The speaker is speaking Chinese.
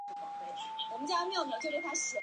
通常是美金做为单位。